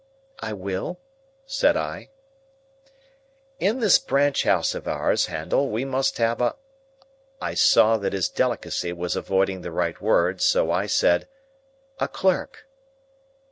"I will," said I. "In this branch house of ours, Handel, we must have a—" I saw that his delicacy was avoiding the right word, so I said, "A clerk."